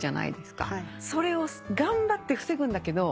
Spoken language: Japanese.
それを頑張って防ぐんだけど時に難しくて。